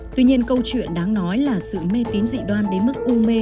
tuy nhiên câu chuyện đáng nói là sự mê tín dị đoan đến mức u mê